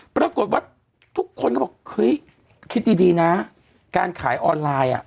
ปรากฏว่าทุกคนก็บอกเฮ้ยคิดดีนะการขายออนไลน์อ่ะ